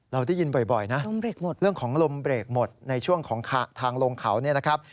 เราได้ยินบ่อยนะเรื่องของลมเบรกหมดในช่วงของทางลงเขา